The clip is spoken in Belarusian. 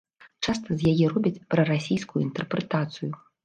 Часта з яе робяць прарасійскую інтэрпрэтацыю.